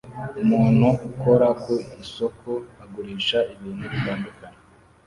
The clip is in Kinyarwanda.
Umuntu ukora ku isoko agurisha ibintu bitandukanye